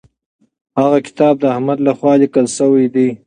هغه کتاب د احمد لخوا لیکل سوی دی.